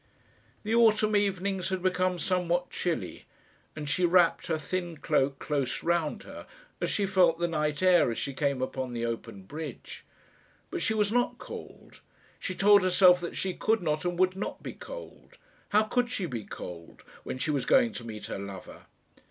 The autumn evenings had become somewhat chilly, and she wrapped her thin cloak close round her, as she felt the night air as she came upon the open bridge. But she was not cold. She told herself that she could not and would not be cold. How could she be cold when she was going to meet her lover?